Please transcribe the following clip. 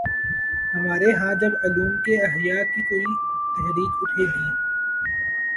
ہمارے ہاں جب علوم کے احیا کی کوئی تحریک اٹھے گی۔